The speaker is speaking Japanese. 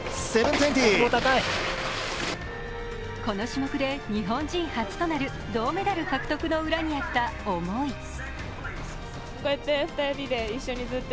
この種目で日本人初となる銅メダル獲得の裏にあった重い。